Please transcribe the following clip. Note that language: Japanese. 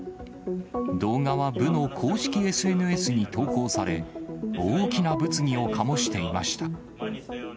動画は部の公式ＳＮＳに投稿され、大きな物議を醸していました。